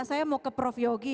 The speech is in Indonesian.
saya mau ke prof yogi